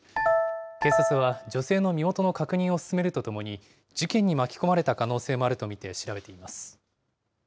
警察は、女性の身元の確認を進めるとともに、事件に巻き込まれた可能性もあると見て調べています。